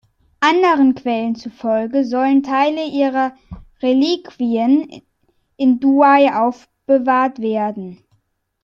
Anderen Quellen zufolge sollen Teile ihrer Reliquien in Douay aufbewahrt werden.